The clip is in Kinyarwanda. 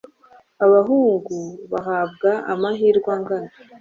abahungu bahabwa amahirwe angana?